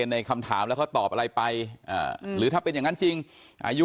ในคำถามแล้วเขาตอบอะไรไปหรือถ้าเป็นอย่างนั้นจริงอายุ